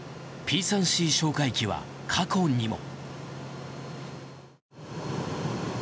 Ｐ３Ｃ哨戒機は過去にも。